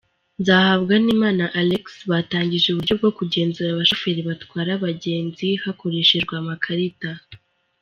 Nzahabwanimana Alexis, batangije uburyo bwo kugenzura abashoferi batwara abagenzi hakoreshejwe amakarita.